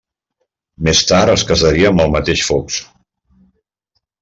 Més tard es casaria amb el mateix Fox.